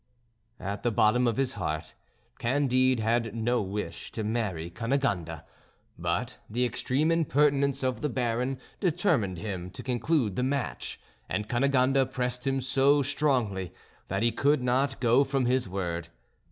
At the bottom of his heart Candide had no wish to marry Cunegonde. But the extreme impertinence of the Baron determined him to conclude the match, and Cunegonde pressed him so strongly that he could not go from his word.